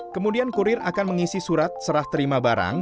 kemudian kurir akan mengisi surat serah terima barang